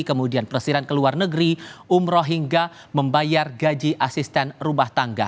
kemudian presiden ke luar negeri umroh hingga membayar gaji asisten rumah tangga